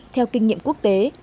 theo kinh nghiệm quốc tế